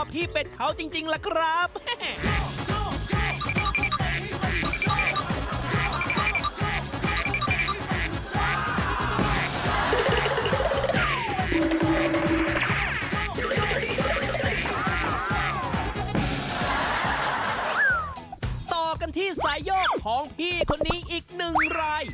ต่อกันที่สายโยกของพี่คนนี้อีกหนึ่งราย